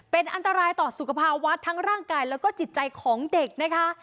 เป็นอันตรายต่อสุขภาวะทั้งร่างกายแล้วก็จิตใจของเด็กนะคะ